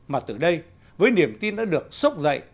mà từ đây với niềm tin đã được sốc dậy